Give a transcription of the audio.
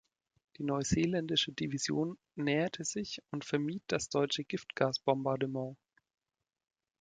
Die neuseeländische Division näherte sich und vermied das deutsche Giftgas-Bombardement.